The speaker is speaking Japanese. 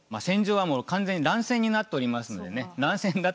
戦場はもう完全に乱戦になっておりますのでね